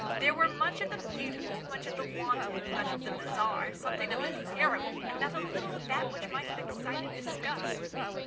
There were much of the beautiful, much of the wanton, much of the bizarre, something of the terrible, and not a little of that which might have excited disgust.